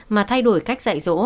mà thay đổi cách dạy dỗ